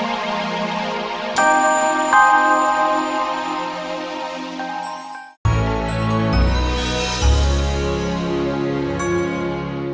mas akan penuhi keinginan kamu